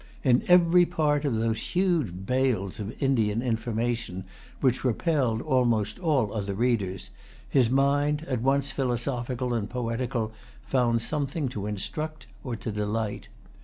In every part of those huge bales of Indian information which repelled almost all other readers, his mind, at once philosophical and poetical, found something to instruct or to delight.